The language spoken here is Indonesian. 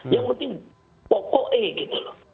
yang penting pokoknya e gitu loh